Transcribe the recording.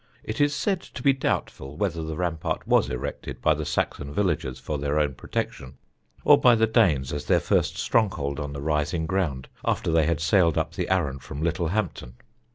It is said to be doubtful whether the rampart was erected by the Saxon villagers for their own protection, or by the Danes as their first stronghold on the rising ground after they had sailed up the Arun from Littlehampton.